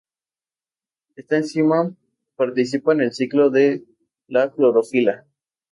Esta enzima participa en el ciclo de la clorofila.